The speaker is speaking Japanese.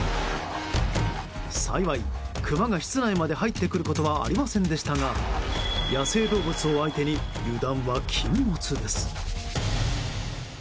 幸い、クマが室内まで入ってくることはありませんでしたが野生動物を相手に油断は禁物です。